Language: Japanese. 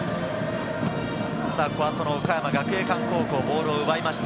岡山学芸館高校がボールを奪いました。